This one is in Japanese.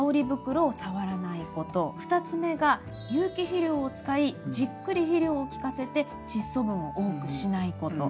２つ目が有機肥料を使いじっくり肥料を効かせてチッ素分を多くしないこと。